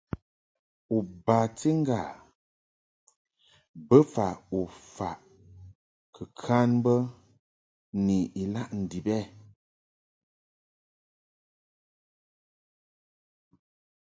U bati ŋgâ bofa u faʼ kɨ kan bə ni ilaʼ ndib ɛ ?